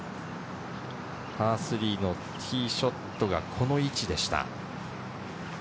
パー３のティーショットがこの位置でした。